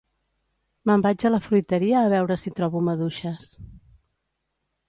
me'n vaig a la fruiteria a veure si trobo maduixes